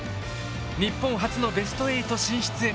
日本初のベスト８進出へ。